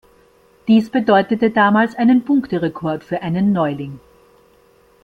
Dies bedeutete damals einen Punkterekord für einen Neuling.